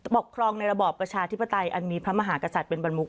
ปกครองในระบอบประชาธิปไตยอันมีพระมหากษัตริย์เป็นบรรมุก